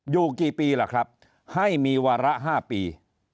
อยู่กี่ปีล่ะครับให้มีวาระ๕ปี